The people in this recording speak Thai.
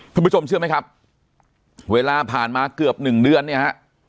ทุกผู้ชมเชื่อไหมครับเวลาผ่านมาเกือบ๑เดือนนะฮะ